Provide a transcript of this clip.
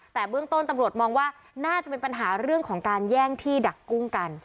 แต่เบื้องต้นตำรวจมองว่าน่าจะเป็นปัญหาเรื่องของการแย่งที่ดักกุ้งกัน